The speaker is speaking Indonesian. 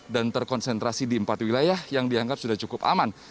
dan terkonsentrasi di empat wilayah yang dianggap sudah cukup aman